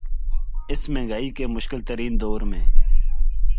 اس مہنگائی کے مشکل ترین دور میں